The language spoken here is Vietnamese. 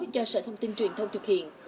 cho sở thông tin truyền thông thực hiện